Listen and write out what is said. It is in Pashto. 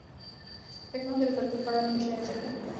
زده کوونکي د کلتور په اړه نوي شیان زده کوي.